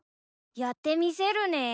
やってみせるね。